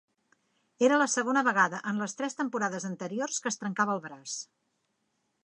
Era la segona vegada en les tres temporades anteriors que es trencava el braç.